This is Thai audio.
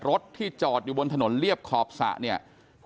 รถที่จอดอุดที่อยู่บนขอบศะเนี่ย